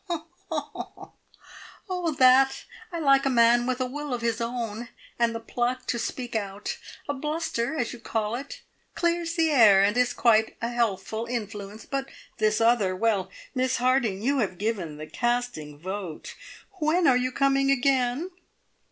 "Oh, that! I like a man with a will of his own, and the pluck to speak out. A `bluster,' as you call it, clears the air, and is quite a healthful influence; but this other! Well, Miss Harding, you have given the casting vote. When are you coming again?"